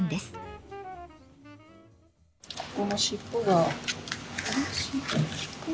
ここの尻尾が。